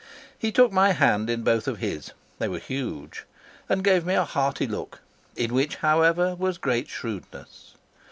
He took my hand in both of his they were huge and gave me a hearty look, in which, however, was great shrewdness.